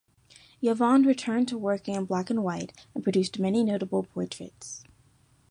Yevonde returned to working in black and white, and produced many notable portraits.